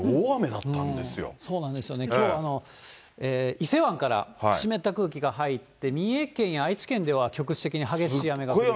伊勢湾から湿った空気が入って、三重県や愛知県では局地的に激しい雨が降りましたね。